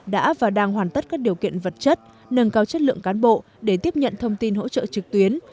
đã và đang hoàn tất các điều kiện vật chất nâng cao chất lượng cán bộ để tiếp nhận thông tin hỗ trợ trực tuyến